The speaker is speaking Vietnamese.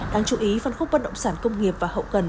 đáng chú ý phân khúc bất động sản công nghiệp và hậu cần